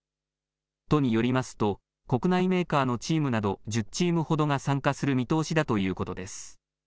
都によりますと国内メーカーのチームなど１０チームほどが参加する見通しだということです。